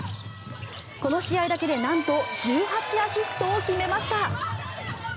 この試合だけでなんと１８アシストを決めました。